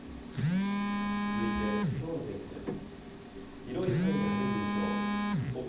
続いてきょうの天気です。